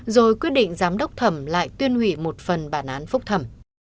rồi quyết định giám đốc thẩm lại tuyên hủy một phần bản án phúc thẩm